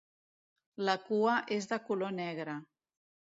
La cua és de color negre.